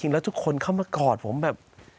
แล้วทุกคนเข้ามากอดผมแบบ